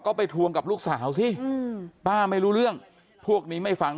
ก็ไปทวงกับลูกสาวสิป้าไม่รู้เรื่องพวกนี้ไม่ฟัง